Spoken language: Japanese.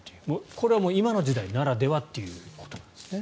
これは今の時代ならではということですね。